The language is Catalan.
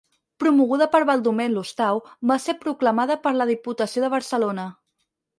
Promoguda per Baldomer Lostau, va ser proclamada per la Diputació de Barcelona.